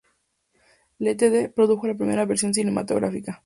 Ltd., produjo la primera versión cinematográfica.